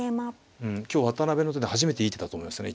うん今日渡辺の手で初めていい手だと思いましたね